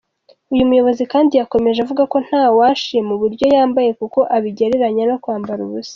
Uyu muyobozi kandi yakomeje avuga ko ntawashima uburyo yambaye kuko abigereranya no kwambara ubusa.